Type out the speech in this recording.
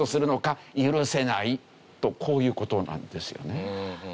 許せないとこういう事なんですよね。